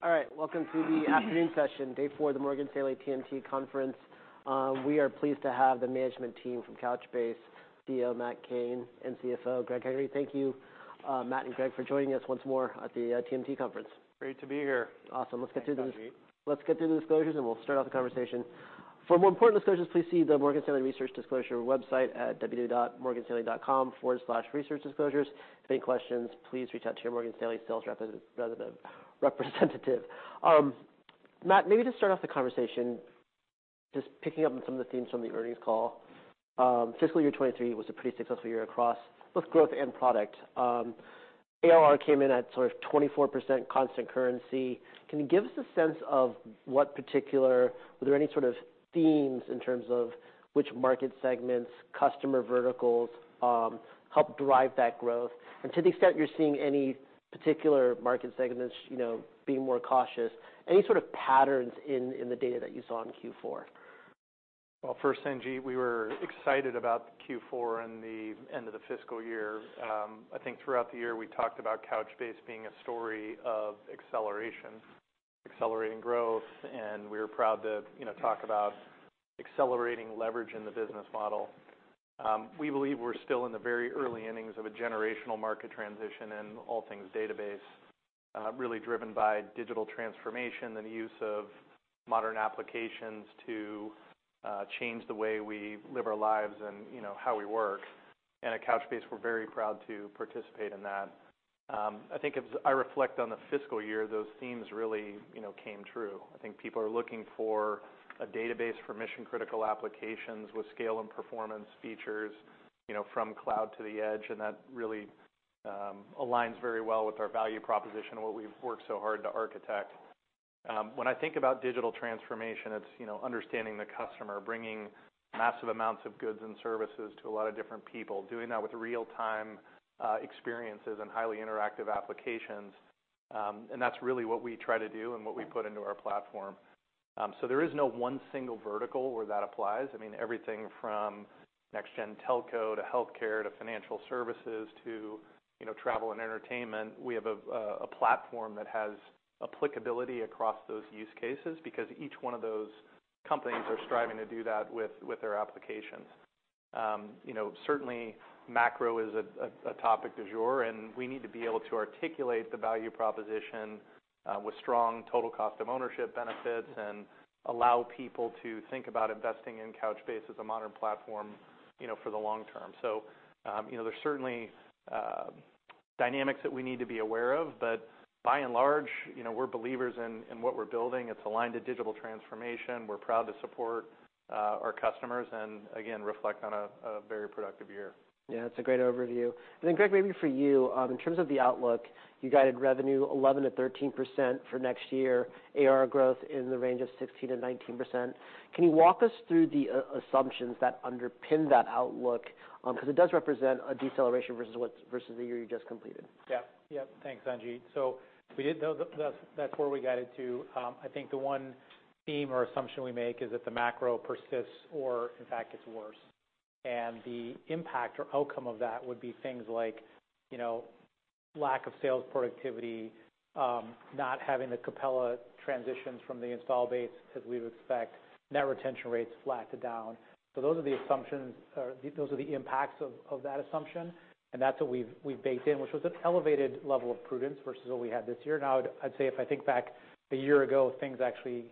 All right. Welcome to the afternoon session, day four of the Morgan Stanley TMT Conference. We are pleased to have the management team from Couchbase, CEO Matt Cain and CFO Greg Henry. Thank you, Matt and Greg for joining us once more at the TMT conference. Great to be here. Awesome. Let's get through Thanks, Sanjit. Let's get through the disclosures, and we'll start off the conversation. For more important disclosures, please see the Morgan Stanley Research Disclosure website at www.morganstanley.com/researchdisclosures. If any questions, please reach out to your Morgan Stanley sales representative. Matt, maybe just start off the conversation just picking up on some of the themes from the earnings call. Fiscal year 2023 was a pretty successful year across both growth and product. ARR came in at sort of 24% constant currency. Can you give us a sense of what Were there any sort of themes in terms of which market segments, customer verticals, helped drive that growth? To the extent you're seeing any particular market segments, you know, being more cautious, any sort of patterns in the data that you saw in Q4? Well, first, Sanjit, we were excited about Q4 and the end of the fiscal year. I think throughout the year, we talked about Couchbase being a story of acceleration, accelerating growth, and we're proud to, you know, talk about accelerating leverage in the business model. We believe we're still in the very early innings of a generational market transition in all things database, really driven by digital transformation and the use of modern applications to change the way we live our lives and you know, how we work. At Couchbase, we're very proud to participate in that. I think as I reflect on the fiscal year, those themes really, you know, came true. I think people are looking for a database for mission-critical applications with scale and performance features, you know, from cloud to the edge, that really aligns very well with our value proposition and what we've worked so hard to architect. When I think about digital transformation, it's, you know, understanding the customer, bringing massive amounts of goods and services to a lot of different people, doing that with real-time experiences and highly interactive applications. That's really what we try to do and what we put into our platform. There is no one single vertical where that applies. I mean, everything from next gen telco to healthcare to financial services to, you know, travel and entertainment. We have a platform that has applicability across those use cases because each one of those companies are striving to do that with their applications. You know, certainly macro is a topic du jour, and we need to be able to articulate the value proposition, with strong total cost of ownership benefits and allow people to think about investing in Couchbase as a modern platform, you know, for the long term. you know, there's certainly dynamics that we need to be aware of, but by and large, you know, we're believers in what we're building. It's aligned to digital transformation. We're proud to support our customers and again, reflect on a very productive year. Yeah, that's a great overview. Greg, maybe for you, in terms of the outlook, you guided revenue 11%-13% for next year, ARR growth in the range of 16%-19%. Can you walk us through the assumptions that underpin that outlook? 'Cause it does represent a deceleration versus the year you just completed. Yeah. Yep. Thanks, Sanjit. We did, though, that's where we got it to. I think the one theme or assumption we make is that the macro persists or in fact gets worse. The impact or outcome of that would be things like, you know, lack of sales productivity, not having the Capella transitions from the install base as we would expect, net retention rates flat to down. Those are the assumptions or those are the impacts of that assumption, and that's what we've baked in, which was an elevated level of prudence versus what we had this year. Now I'd say if I think back a year ago, things actually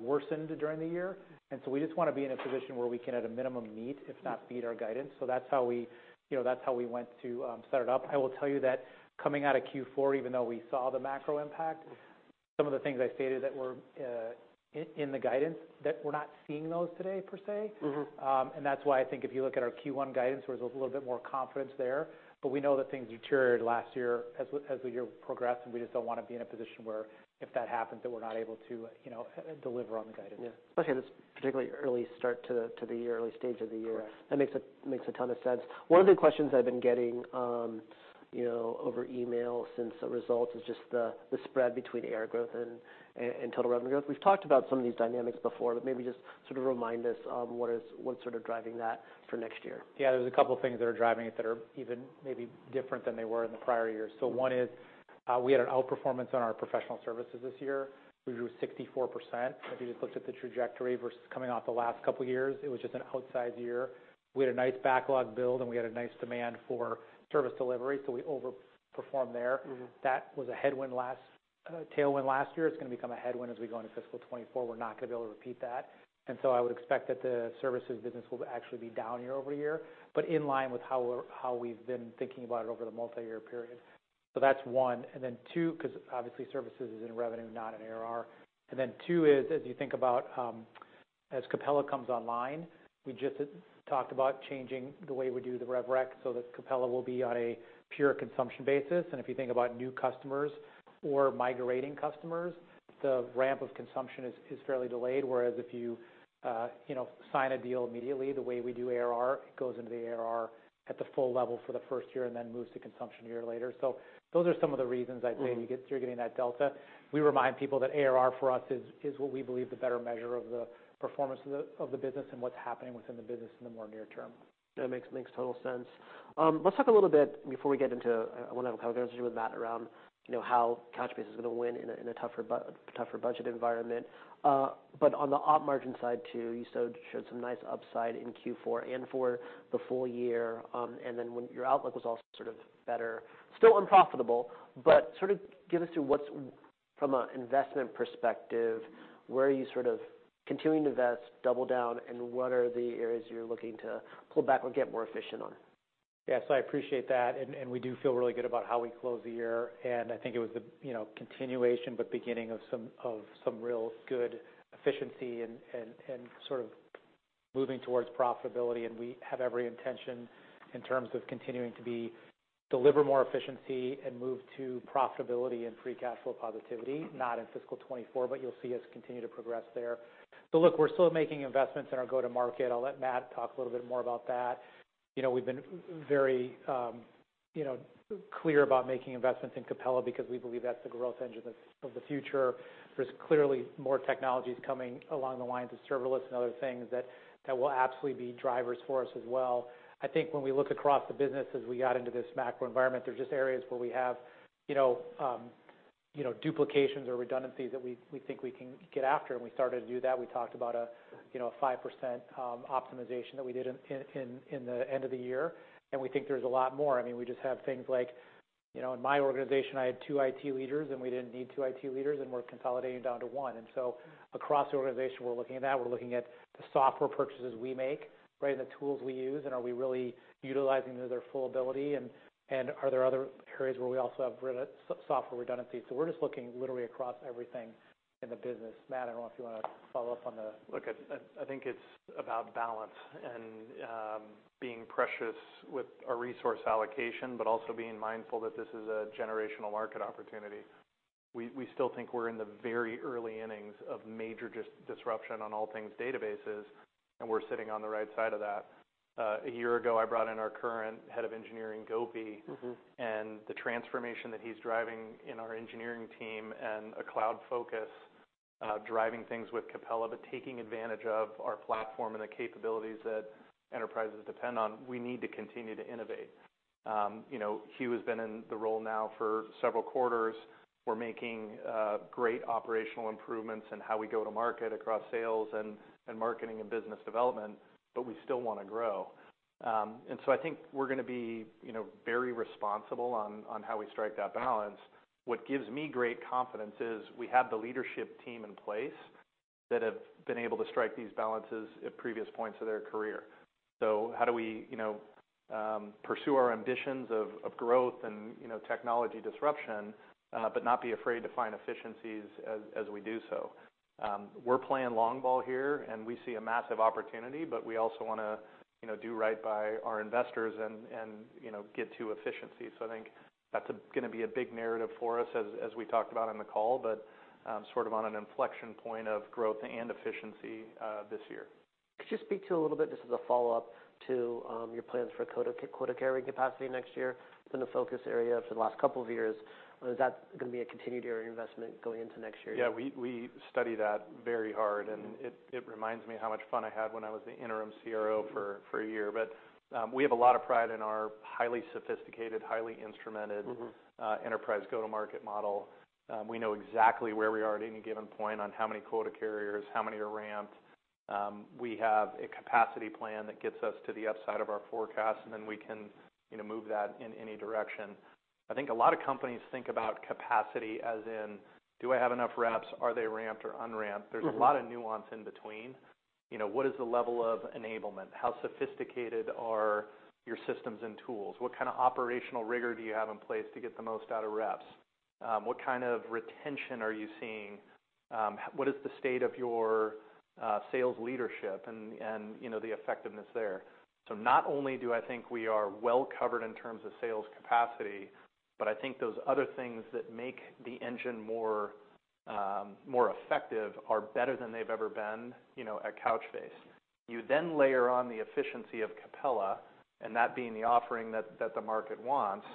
worsened during the year. We just wanna be in a position where we can at a minimum meet, if not beat our guidance. That's how we, you know, that's how we went to set it up. I will tell you that coming out of Q4, even though we saw the macro impact, some of the things I stated that were in the guidance that we're not seeing those today per se. Mm-hmm. That's why I think if you look at our Q1 guidance, there's a little bit more confidence there. We know that things deteriorated last year as we progressed, and we just don't wanna be in a position where if that happens, that we're not able to, you know, deliver on the guidance. Especially this particularly early start to the, to the year, early stage of the year. Correct. That makes a ton of sense. One of the questions I've been getting, you know, over email since the results is just the spread between ARR growth and total revenue growth. We've talked about some of these dynamics before. Maybe just sort of remind us of what's sort of driving that for next year? Yeah. There's a couple things that are driving it that are even maybe different than they were in the prior years. One is, we had an outperformance on our professional services this year. We grew 64%. If you just looked at the trajectory versus coming off the last couple years, it was just an outsized year. We had a nice backlog build, and we had a nice demand for service delivery, so we overperformed there. Mm-hmm. That was a headwind last tailwind last year. It's gonna become a headwind as we go into fiscal 2024. We're not gonna be able to repeat that. I would expect that the services business will actually be down year-over-year, but in line with how we've been thinking about it over the multi-year period. That's one. Cause obviously services is in revenue, not in ARR. Two is, as you think about, as Capella comes online, we just talked about changing the way we do the rev rec so that Capella will be on a pure consumption basis. If you think about new customers or migrating customers, the ramp of consumption is fairly delayed. Whereas if you know, sign a deal immediately, the way we do ARR, it goes into the ARR at the full level for the first year and then moves to consumption one year later. Those are some of the reasons I'd say you're getting that delta. We remind people that ARR for us is what we believe the better measure of the performance of the business and what's happening within the business in the more near term. That makes total sense. Let's talk a little bit before we get into, I wanna have a conversation with Matt around, you know, how Couchbase is gonna win in a tougher budget environment. On the op margin side too, you showed some nice upside in Q4 and for the full year. When your outlook was also sort of better, still unprofitable, but sort of give us through from an investment perspective, where are you sort of continuing to invest, double down, and what are the areas you're looking to pull back or get more efficient on? Yes, I appreciate that, and we do feel really good about how we closed the year, and I think it was the, you know, continuation, but beginning of some real good efficiency and sort of moving towards profitability. We have every intention in terms of continuing to deliver more efficiency and move to profitability and free cash flow positivity, not in fiscal 2024, but you'll see us continue to progress there. Look, we're still making investments in our go-to-market. I'll let Matt talk a little bit more about that. You know, we've been very, you know, clear about making investments in Capella because we believe that's the growth engine of the future. There's clearly more technologies coming along the lines of serverless and other things that will absolutely be drivers for us as well. I think when we look across the business as we got into this macro environment, there's just areas where we have, you know, you know, duplications or redundancies that we think we can get after. We started to do that. We talked about a, you know, a 5% optimization that we did in the end of the year. We think there's a lot more. I mean, we just have things like, you know, in my organization, I had two IT leaders. We didn't need two IT leaders, and we're consolidating down to one. Across the organization, we're looking at that. We're looking at the software purchases we make, right? The tools we use, and are we really utilizing those to their full ability, and are there other areas where we also have software redundancies. We're just looking literally across everything in the business. Matt, I don't know if you wanna follow up? Look, I think it's about balance and being precious with our resource allocation, but also being mindful that this is a generational market opportunity. We still think we're in the very early innings of major disruption on all things databases, and we're sitting on the right side of that. A year ago, I brought in our current head of engineering, Gopi. Mm-hmm. The transformation that he's driving in our engineering team and a cloud focus, driving things with Capella, but taking advantage of our platform and the capabilities that enterprises depend on, we need to continue to innovate. You know, Huw has been in the role now for several quarters. We're making great operational improvements in how we go to market across sales and marketing and business development, but we still wanna grow. I think we're gonna be, you know, very responsible on how we strike that balance. What gives me great confidence is we have the leadership team in place that have been able to strike these balances at previous points of their career. How do we, you know, pursue our ambitions of growth and, you know, technology disruption, but not be afraid to find efficiencies as we do so. We're playing long ball here, and we see a massive opportunity, but we also wanna, you know, do right by our investors and, you know, get to efficiency. I think that's gonna be a big narrative for us as we talked about on the call, but, sort of on an inflection point of growth and efficiency, this year. Could you speak to, a little bit just as a follow-up to, your plans for quota-carrying capacity next year? It's been a focus area for the last couple of years. Is that gonna be a continued area of investment going into next year? Yeah, we study that very hard. Mm-hmm. It reminds me of how much fun I had when I was the interim CRO for a year. We have a lot of pride in our highly sophisticated, highly instrumented- Mm-hmm enterprise go-to-market model. We know exactly where we are at any given point on how many quota carriers, how many are ramped. We have a capacity plan that gets us to the upside of our forecast. Then we can, you know, move that in any direction. I think a lot of companies think about capacity as in, do I have enough reps? Are they ramped or un-ramped? Mm-hmm. There's a lot of nuance in between. You know, what is the level of enablement? How sophisticated are your systems and tools? What kind of operational rigor do you have in place to get the most out of reps? What kind of retention are you seeing? What is the state of your sales leadership and, you know, the effectiveness there? Not only do I think we are well covered in terms of sales capacity, but I think those other things that make the engine more effective are better than they've ever been, you know, at Couchbase. Layer on the efficiency of Capella, and that being the offering that the market wants,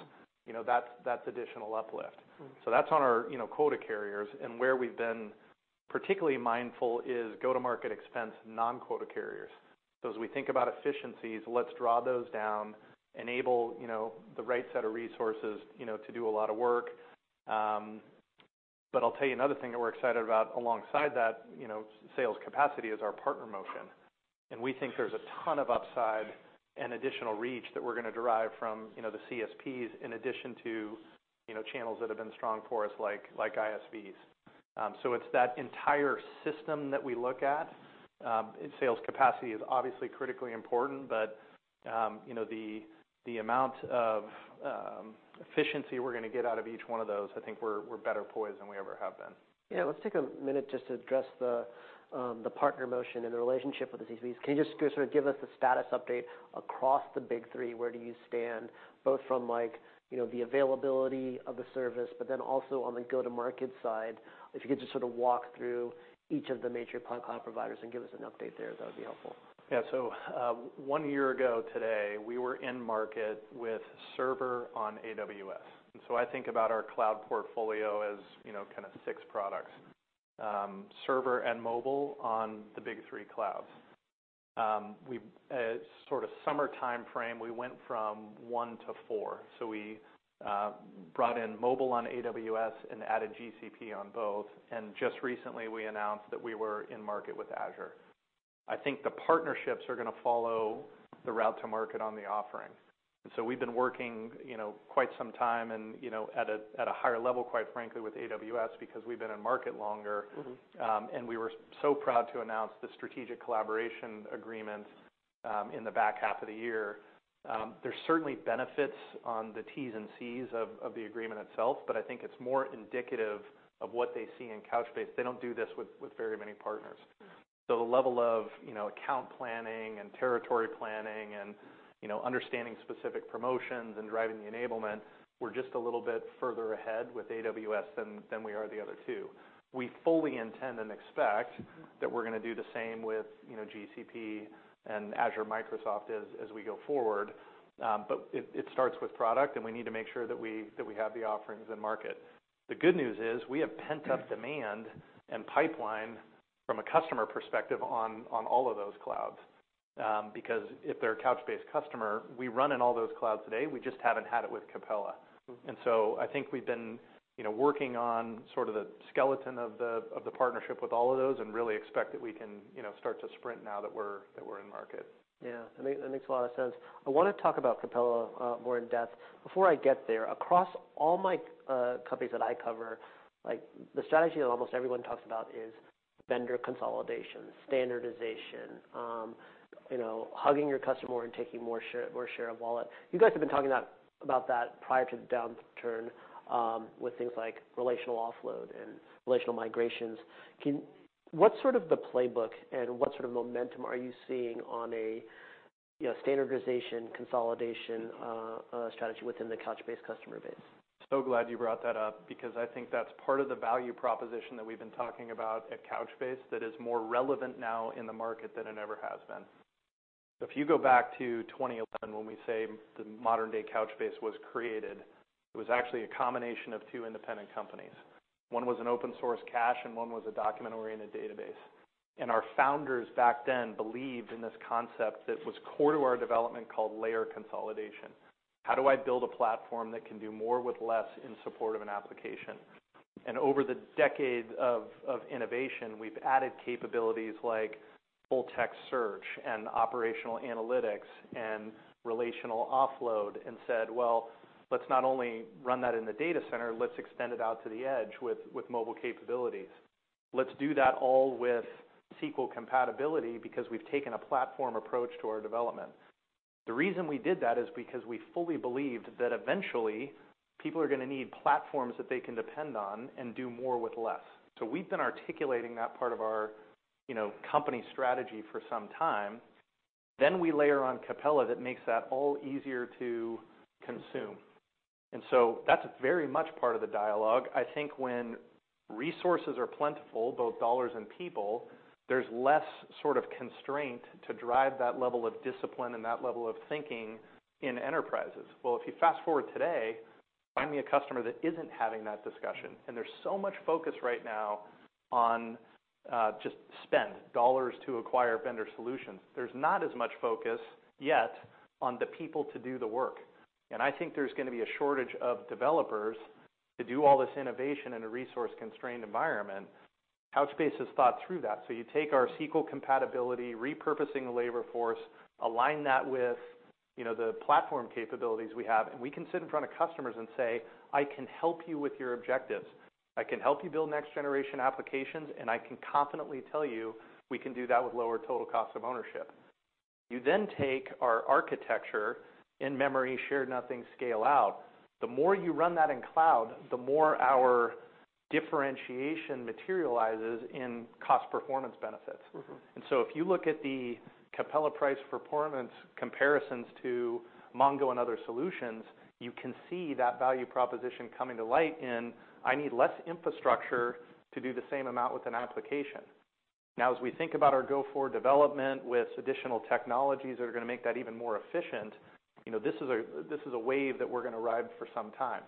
you know, that's additional uplift. Mm-hmm. That's on our, you know, quota carriers, and where we've been particularly mindful is go-to-market expense, non-quota carriers. As we think about efficiencies, let's draw those down, enable, you know, the right set of resources, you know, to do a lot of work. I'll tell you another thing that we're excited about alongside that, you know, sales capacity is our partner motion. We think there's a ton of upside and additional reach that we're gonna derive from, you know, the CSPs in addition to, you know, channels that have been strong for us, like ISVs. It's that entire system that we look at. Sales capacity is obviously critically important, but, you know, the amount of efficiency we're gonna get out of each one of those, I think we're better poised than we ever have been. Let's take a minute just to address the partner motion and the relationship with the CSPs. Can you just go sort of give us a status update across the big three, where do you stand, both from like, you know, the availability of the service, but then also on the go-to-market side? If you could just sort of walk through each of the major cloud providers and give us an update there, that would be helpful. One year ago today, we were in market with Server on AWS. I think about our cloud portfolio as, you know, kind of six products. Server and Mobile on the big three clouds. At sort of summer timeframe, we went from one to four. We brought in Mobile on AWS and added GCP on both, and just recently, we announced that we were in market with Azure. I think the partnerships are gonna follow the route to market on the offering. We've been working, you know, quite some time and, you know, at a, at a higher level, quite frankly, with AWS because we've been in market longer. Mm-hmm. We were so proud to announce the Strategic Collaboration Agreement in the back half of the year. There's certainly benefits on the T's and C's of the agreement itself, but I think it's more indicative of what they see in Couchbase. They don't do this with very many partners. Mm. The level of, you know, account planning and territory planning and, you know, understanding specific promotions and driving the enablement, we're just a little bit further ahead with AWS than we are the other two. We fully intend and Mm. That we're gonna do the same with, you know, GCP and Azure Microsoft as we go forward. It starts with product, and we need to make sure that we have the offerings in market. The good news is we have pent-up demand and pipeline from a customer perspective on all of those clouds. Because if they're a Couchbase customer, we run in all those clouds today, we just haven't had it with Capella. Mm. I think we've been, you know, working on sort of the skeleton of the, of the partnership with all of those and really expect that we can, you know, start to sprint now that we're, that we're in market. Yeah. That makes a lot of sense. I wanna talk about Capella more in depth. Before I get there, across all my companies that I cover, like, the strategy that almost everyone talks about is vendor consolidation, standardization, you know, hugging your customer and taking more share of wallet. You guys have been talking about that prior to the downturn, with things like relational offload and relational migrations. What's sort of the playbook, and what sort of momentum are you seeing on a, you know, standardization consolidation strategy within the Couchbase customer base? Glad you brought that up because I think that's part of the value proposition that we've been talking about at Couchbase that is more relevant now in the market than it ever has been. If you go back to 2011, when we say the modern-day Couchbase was created, it was actually a combination of two independent companies. One was an open source cache, and one was a document-oriented database. Our founders back then believed in this concept that was core to our development called layer consolidation. How do I build a platform that can do more with less in support of an application? Over the decade of innovation, we've added capabilities like Full-Text Search and operational analytics and relational offload and said, "Well, let's not only run that in the data center, let's extend it out to the edge with mobile capabilities. Let's do that all with SQL compatibility because we've taken a platform approach to our development. The reason we did that is because we fully believed that eventually people are gonna need platforms that they can depend on and do more with less. We've been articulating that part of our, you know, company strategy for some time. We layer on Capella that makes that all easier to consume. That's very much part of the dialogue. I think when resources are plentiful, both dollars and people, there's less sort of constraint to drive that level of discipline and that level of thinking in enterprises. If you fast-forward today, find me a customer that isn't having that discussion, and there's so much focus right now on just spend, dollars to acquire vendor solutions. There's not as much focus yet on the people to do the work, and I think there's gonna be a shortage of developers to do all this innovation in a resource-constrained environment. Couchbase has thought through that. You take our SQL compatibility, repurposing the labor force, align that with, you know, the platform capabilities we have, and we can sit in front of customers and say, "I can help you with your objectives. I can help you build next generation applications, and I can confidently tell you we can do that with lower total cost of ownership." You then take our architecture in-memory shared nothing scale out. The more you run that in cloud, the more our differentiation materializes in cost performance benefits. Mm-hmm. If you look at the Capella price performance comparisons to MongoDB and other solutions, you can see that value proposition coming to light in, I need less infrastructure to do the same amount with an application. Now, as we think about our go-forward development with additional technologies that are gonna make that even more efficient, you know, this is a, this is a wave that we're gonna ride for some time.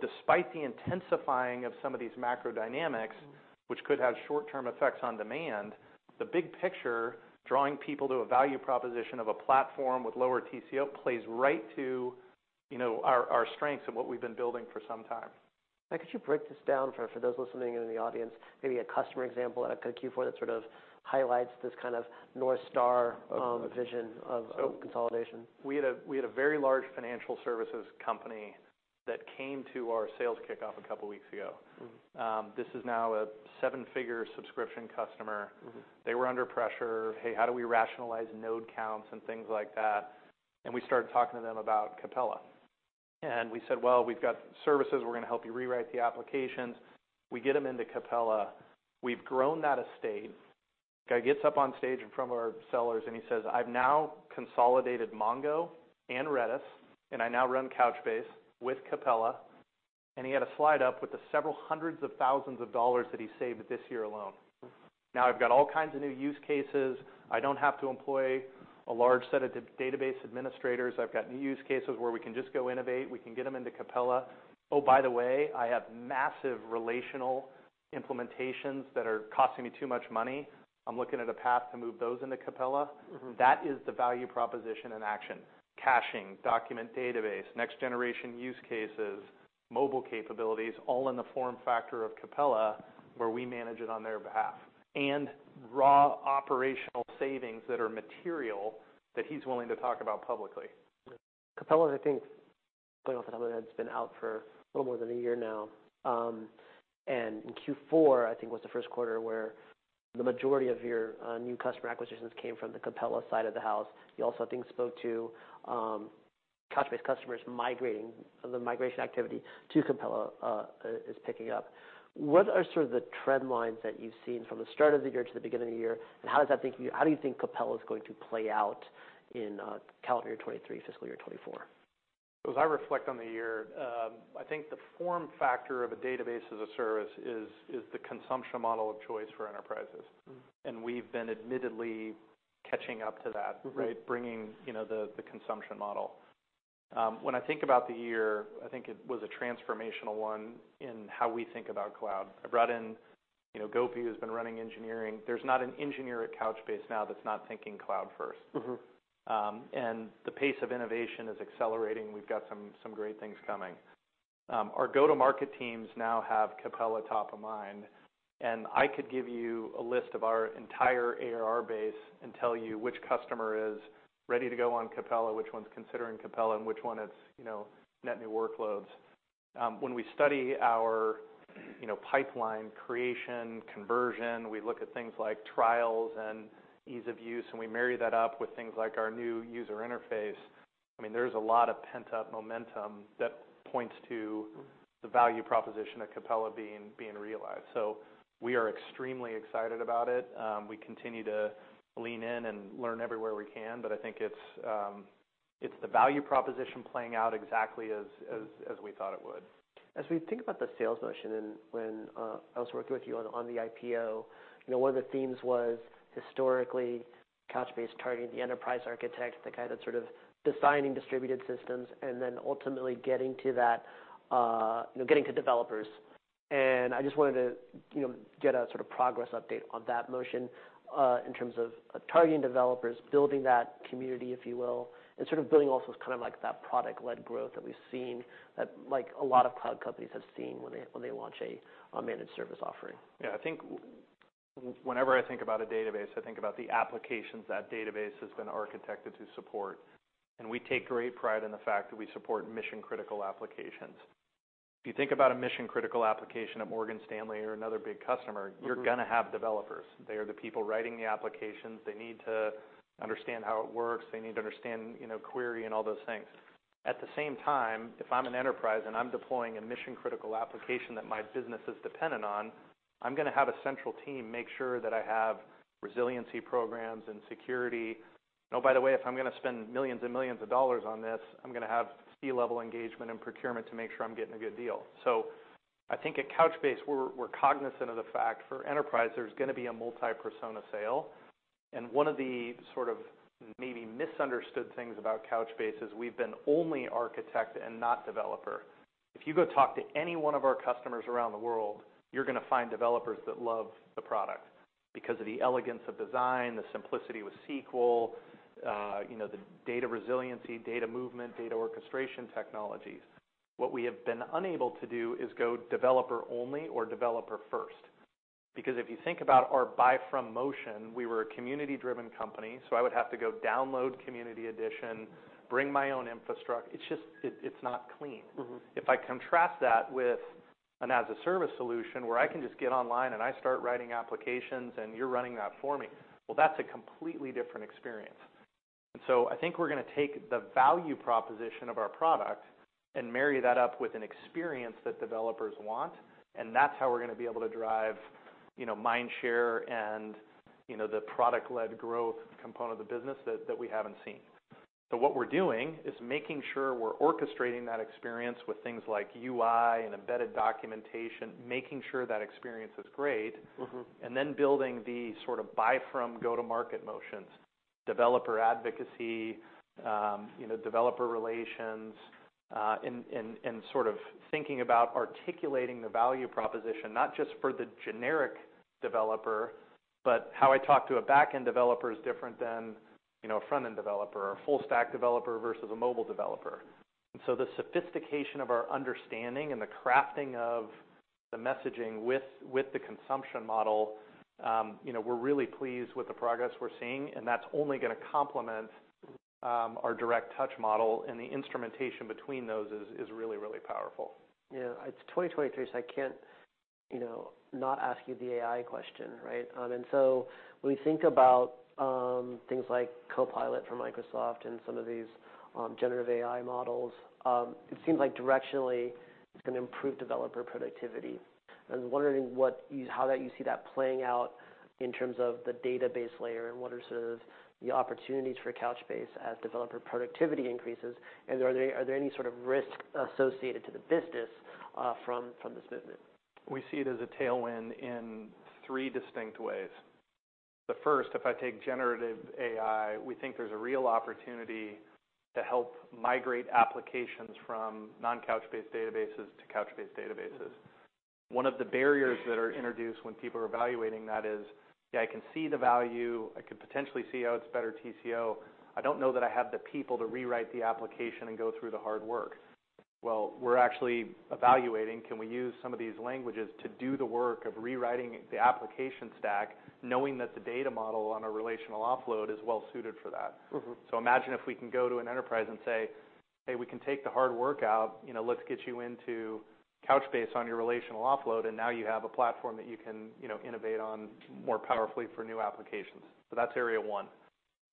Despite the intensifying of some of these macro dynamics- Mm. Which could have short-term effects on demand, the big picture, drawing people to a value proposition of a platform with lower TCO plays right to, you know, our strengths and what we've been building for some time. Now, could you break this down for those listening in the audience, maybe a customer example at a Q4 that sort of highlights this kind of North Star- Okay. Vision of consolidation? We had a very large financial services company that came to our sales kickoff a couple weeks ago. Mm. This is now a seven-figure subscription customer. Mm-hmm. They were under pressure. Hey, how do we rationalize node counts and things like that? We started talking to them about Capella. We said, "Well, we've got services. We're gonna help you rewrite the applications." We get them into Capella. We've grown that estate. Guy gets up on stage in front of our sellers and he says, "I've now consolidated MongoDB and Redis, and I now run Couchbase with Capella." He had a slide up with the several hundreds of thousands of dollars that he saved this year alone. Mm. I've got all kinds of new use cases. I don't have to employ a large set of database administrators. I've got new use cases where we can just go innovate, we can get them into Capella. By the way, I have massive relational implementations that are costing me too much money. I'm looking at a path to move those into Capella. Mm-hmm. That is the value proposition in action: caching, document database, next generation use cases, mobile capabilities, all in the form factor of Capella, where we manage it on their behalf, and raw operational savings that are material that he's willing to talk about publicly. Capella, I think, playing off the top of my head, has been out for a little more than a year now. In Q4, I think, was the first quarter where the majority of your new customer acquisitions came from the Capella side of the house. You also, I think, spoke to Couchbase customers migrating. The migration activity to Capella is picking up. What are sort of the trend lines that you've seen from the start of the year to the beginning of the year? How do you think Capella is going to play out in calendar year 2023, fiscal year 2024? As I reflect on the year, I think the form factor of a Database-as-a-Service is the consumption model of choice for enterprises. Mm-hmm. We've been admittedly catching up to that. Mm-hmm. Right? Bringing, you know, the consumption model. When I think about the year, I think it was a transformational one in how we think about cloud. I brought in, you know, Gopi, who's been running engineering. There's not an engineer at Couchbase now that's not thinking cloud first. Mm-hmm. The pace of innovation is accelerating. We've got some great things coming. Our go-to-market teams now have Capella top of mind. I could give you a list of our entire ARR base and tell you which customer is ready to go on Capella, which one's considering Capella, and which one is, you know, net new workloads. When we study our, you know, pipeline creation, conversion, we look at things like trials and ease of use. We marry that up with things like our new user interface. I mean, there's a lot of pent-up momentum that points to. Mm-hmm. The value proposition of Capella being realized. We are extremely excited about it. We continue to lean in and learn everywhere we can, but I think it's the value proposition playing out exactly as we thought it would. As we think about the sales motion and when I was working with you on the IPO, you know, one of the themes was historically, Couchbase targeting the enterprise architects, the guy that's sort of designing distributed systems and then ultimately getting to that, you know, getting to developers. I just wanted to, you know, get a sort of progress update on that motion in terms of targeting developers, building that community, if you will, and sort of building off those kind of like that product-led growth that we've seen that like a lot of cloud companies have seen when they launch a managed service offering. Yeah. I think whenever I think about a database, I think about the applications that database has been architected to support. We take great pride in the fact that we support mission-critical applications. If you think about a mission-critical application at Morgan Stanley or another big customer- Mm-hmm. You're gonna have developers. They are the people writing the applications. They need to understand how it works. They need to understand, you know, query and all those things. At the same time, if I'm an enterprise and I'm deploying a mission-critical application that my business is dependent on, I'm gonna have a central team make sure that I have resiliency programs and security. You know, by the way, if I'm gonna spend millions and millions of dollars on this, I'm gonna have C-level engagement and procurement to make sure I'm getting a good deal. I think at Couchbase, we're cognizant of the fact for enterprise, there's gonna be a multi-persona sale. One of the sort of maybe misunderstood things about Couchbase is we've been only architect and not developer. If you go talk to any one of our customers around the world, you're gonna find developers that love the product because of the elegance of design, the simplicity with SQL, you know, the data resiliency, data movement, data orchestration technologies. What we have been unable to do is go developer only or developer first. If you think about our buy from motion, we were a community-driven company, so I would have to go download Community Edition, bring my own infrastruc-- it's not clean. Mm-hmm. If I contrast that with an as a service solution where I can just get online and I start writing applications and you're running that for me, well, that's a completely different experience. I think we're gonna take the value proposition of our product and marry that up with an experience that developers want, and that's how we're gonna be able to drive, you know, mind share and, you know, the product-led growth component of the business that we haven't seen. What we're doing is making sure we're orchestrating that experience with things like UI and embedded documentation, making sure that experience is great. Mm-hmm. Then building the sort of buy from go-to-market motions, developer advocacy, you know, developer relations, and sort of thinking about articulating the value proposition, not just for the generic developer, but how I talk to a backend developer is different than, you know, a frontend developer, or a full stack developer versus a mobile developer. So the sophistication of our understanding and the crafting of the messaging with the consumption model, you know, we're really pleased with the progress we're seeing, and that's only gonna complement our direct touch model. The instrumentation between those is really, really powerful. Yeah. It's 2023, I can't, you know, not ask you the AI question, right? When we think about things like Copilot from Microsoft and some of these generative AI models, it seems like directionally it's gonna improve developer productivity. I was wondering how that you see that playing out in terms of the database layer and what are sort of the opportunities for Couchbase as developer productivity increases, and are there any sort of risks associated to the business from this movement? We see it as a tailwind in three distinct ways. The first, if I take generative AI, we think there's a real opportunity to help migrate applications from non-Couchbase databases to Couchbase databases. One of the barriers that are introduced when people are evaluating that is, yeah, I can see the value, I could potentially see how it's better TCO. I don't know that I have the people to rewrite the application and go through the hard work. We're actually evaluating, can we use some of these languages to do the work of rewriting the application stack knowing that the data model on a relational offload is well suited for that? Mm-hmm. Imagine if we can go to an enterprise and say, "Hey, we can take the hard work out. You know, let's get you into Couchbase on your relational offload, and now you have a platform that you can, you know, innovate on more powerfully for new applications." That's area one.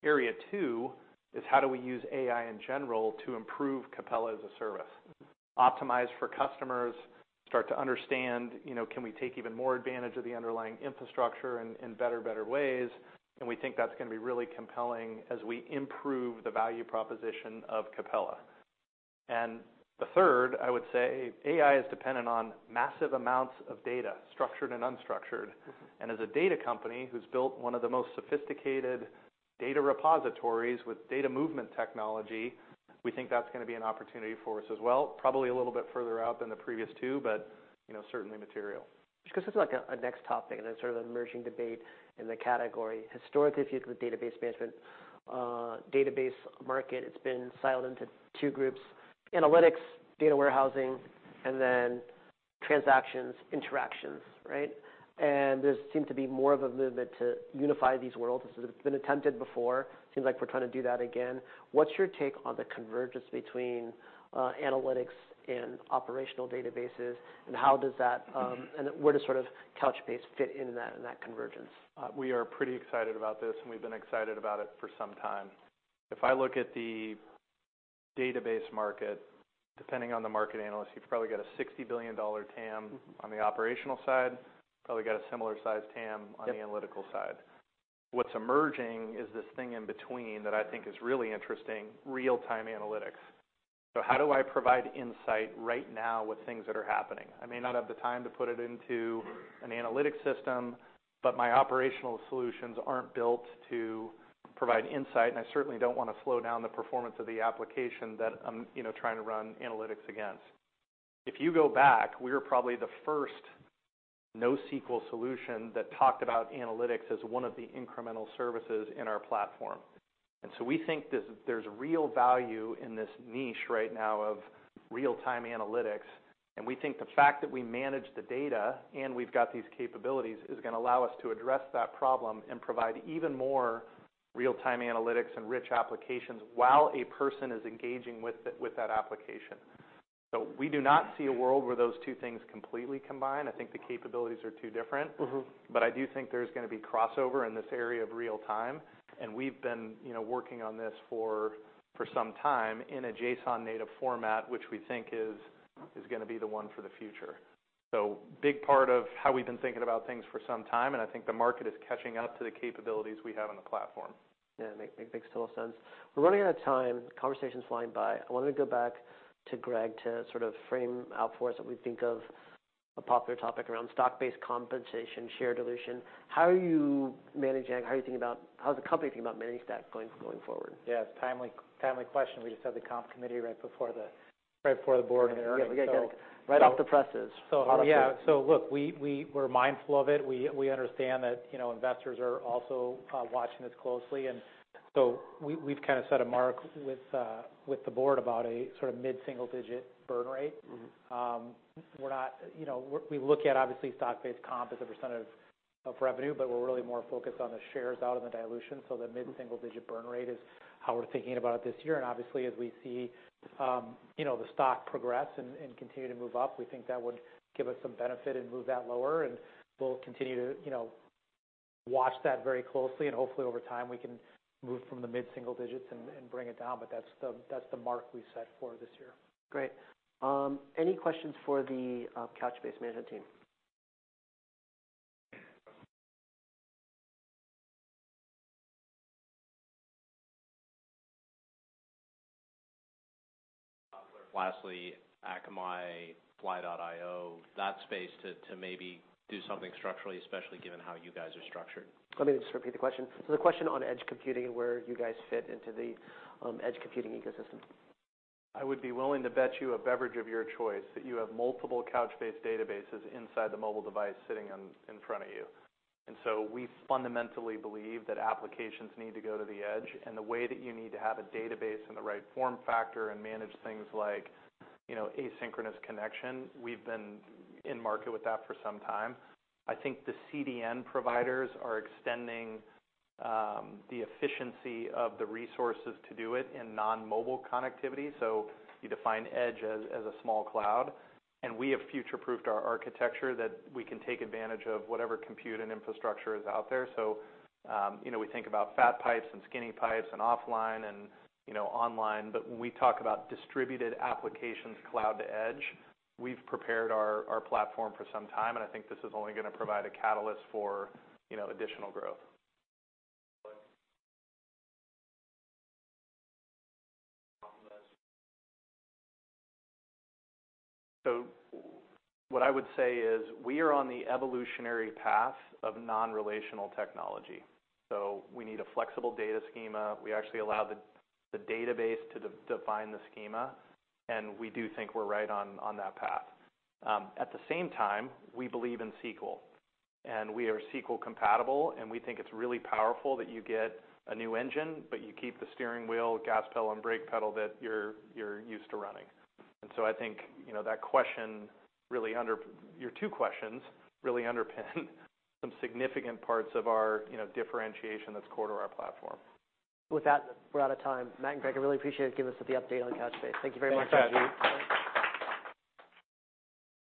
Area two is how do we use AI in general to improve Capella as a service. Mm-hmm. Optimize for customers, start to understand, you know, can we take even more advantage of the underlying infrastructure in better and better ways? We think that's gonna be really compelling as we improve the value proposition of Capella. The third, I would say AI is dependent on massive amounts of data, structured and unstructured. Mm-hmm. As a data company who's built one of the most sophisticated data repositories with data movement technology, we think that's gonna be an opportunity for us as well, probably a little bit further out than the previous two, but you know, certainly material. Just 'cause it's like a next topic and a sort of emerging debate in the category. Historically, if you look at database management, database market, it's been siloed into two groups: analytics, data warehousing, and then transactions, interactions, right? There seem to be more of a movement to unify these worlds, as it's been attempted before. Seems like we're trying to do that again. What's your take on the convergence between analytics and operational databases, and how does that, and where does sort of Couchbase fit into that, in that convergence? We are pretty excited about this, we've been excited about it for some time. If I look at the database market, depending on the market analyst, you've probably got a $60 billion TAM... Mm-hmm. On the operational side. Probably got a similar size TAM on the analytical side. What's emerging is this thing in between that I think is really interesting, real-time analytics. How do I provide insight right now with things that are happening? I may not have the time to put it into an analytic system, but my operational solutions aren't built to provide insight, and I certainly don't wanna slow down the performance of the application that I'm, you know, trying to run analytics against. If you go back, we were probably the first NoSQL solution that talked about analytics as one of the incremental services in our platform. We think there's real value in this niche right now of real-time analytics, and we think the fact that we manage the data and we've got these capabilities is gonna allow us to address that problem and provide even more real-time analytics and rich applications while a person is engaging with that application. We do not see a world where those two things completely combine. I think the capabilities are too different. Mm-hmm. I do think there's gonna be crossover in this area of real time, and we've been, you know, working on this for some time in a JSON native format, which we think is gonna be the one for the future. Big part of how we've been thinking about things for some time, and I think the market is catching up to the capabilities we have on the platform. Yeah, makes total sense. We're running out of time. Conversation's flying by. I wanted to go back to Greg to sort of frame out for us what we think of a popular topic around stock-based compensation, share dilution. How is the company thinking about managing that going forward? Yeah, it's timely question. We just had the comp committee right before the board meeting. Yeah. We got it right off the presses. Yeah. Look, we're mindful of it. We understand that, you know, investors are also watching this closely. We've kind of set a mark with the board about a sort of mid-single digit burn rate. Mm-hmm. You know, we look at obviously stock-based comp as a percentage of revenue, but we're really more focused on the shares out and the dilution. The mid-single digit burn rate is how we're thinking about it this year. Obviously as we see, you know, the stock progress and continue to move up, we think that would give us some benefit and move that lower, and we'll continue to, you know, watch that very closely and hopefully over time we can move from the mid-single digits and bring it down. That's the mark we set for this year. Great. Any questions for the Couchbase management team? Lastly, Akamai, Fly.io, that space to maybe do something structurally, especially given how you guys are structured. Let me just repeat the question. The question on edge computing and where you guys fit into the edge computing ecosystem. I would be willing to bet you a beverage of your choice that you have multiple Couchbase databases inside the mobile device sitting on, in front of you. We fundamentally believe that applications need to go to the edge, and the way that you need to have a database in the right form factor and manage things like, you know, asynchronous connection, we've been in market with that for some time. I think the CDN providers are extending the efficiency of the resources to do it in non-mobile connectivity. You define edge as a small cloud. We have future-proofed our architecture that we can take advantage of whatever compute and infrastructure is out there. You know, we think about fat pipes and skinny pipes and offline and, you know, online. When we talk about distributed applications cloud to edge, we've prepared our platform for some time, and I think this is only gonna provide a catalyst for, you know, additional growth. What I would say is we are on the evolutionary path of non-relational technology. We need a flexible data schema. We actually allow the database to define the schema, and we do think we're right on that path. At the same time, we believe in SQL. We are SQL compatible, and we think it's really powerful that you get a new engine, but you keep the steering wheel, gas pedal, and brake pedal that you're used to running. I think, you know, your two questions really underpin some significant parts of our, you know, differentiation that's core to our platform. With that, we're out of time. Matt and Greg, I really appreciate you giving us the update on Couchbase. Thank you very much. Thanks, Sanjit.